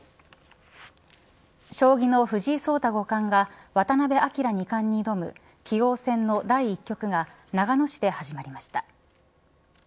将棋の藤井聡太五冠が渡辺明二冠に挑む棋王戦の第一局が長野市で始まりました。